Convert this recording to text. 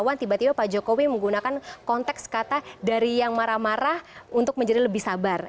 karena tiba tiba pak jokowi menggunakan konteks kata dari yang marah marah untuk menjadi lebih sabar